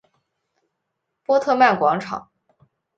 波特曼广场。